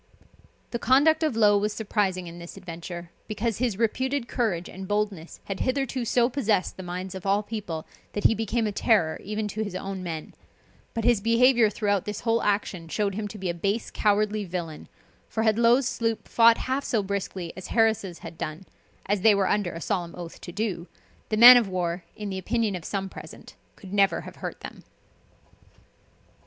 The conduct of Low was surprising in this adventure, because his reputed courage and boldness had hitherto so possessed the minds of all people, that he became a terror even to his own men; but his behaviour throughout this whole action showed him to be a base cowardly villain; for had Low's sloop fought half so briskly as Harris' had done (as they were under a solemn oath to do,) the man of war, in the opinion of some present, could never have hurt them.